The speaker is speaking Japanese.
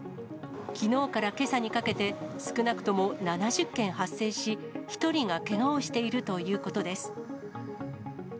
きのうからけさにかけて、少なくとも７０件発生し、１人がけがをしているということです。